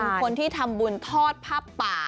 เป็นคนที่ทำบุญทอดผ้าป่า